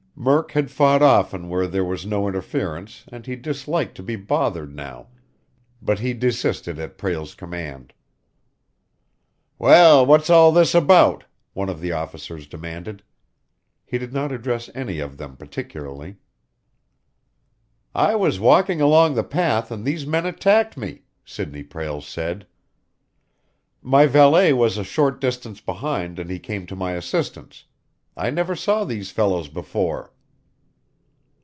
Murk had fought often where there was no interference and he disliked to be bothered now, but he desisted at Prale's command. "Well, what's all this about?" one of the officers demanded. He did not address any of them particularly. "I was walking along the path, and these men attacked me," Sidney Prale said. "My valet was a short distance behind and he came to my assistance. I never saw these fellows before."